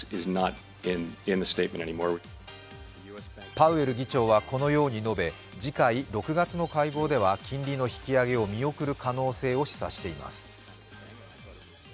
パウエル議長はこのように述べ、次回６月の会合では金利の引き上げを見送る可能性を示唆しています。